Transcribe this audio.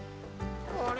あれ？